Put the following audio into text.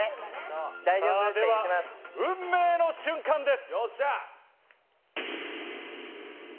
では運命の瞬間です！